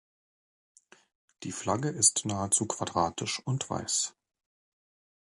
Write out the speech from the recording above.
Die Flagge ist nahezu quadratisch und weiß.